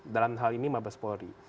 dalam hal ini mabes polri